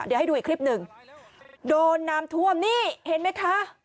เดี๋ยวให้ดูอีกคลิปหนึ่งโดนน้ำท่วมนี่เห็นไหมคะ